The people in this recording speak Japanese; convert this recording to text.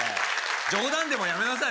冗談でもやめなさい